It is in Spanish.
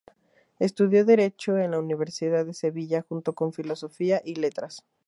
Estudió Derecho en la Universidad de Sevilla, junto con Filosofía y Letras.